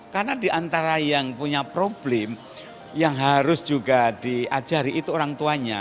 karena diantara yang punya problem yang harus juga diajari itu orang tuanya